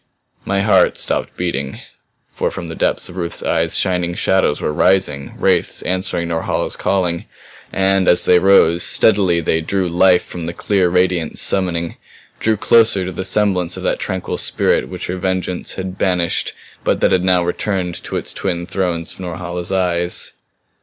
My heart stopped beating for from the depths of Ruth's eyes shining shadows were rising, wraiths answering Norhala's calling; and, as they rose, steadily they drew life from the clear radiance summoning drew closer to the semblance of that tranquil spirit which her vengeance had banished but that had now returned to its twin thrones of Norhala's eyes.